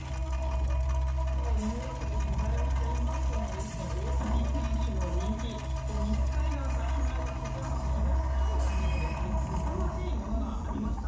ニューヨークで取材をしていましても大谷選手の人気西海岸から離れたこちらの東海岸でもすさまじいものがありました。